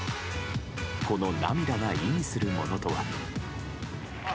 この涙が意味するものとは。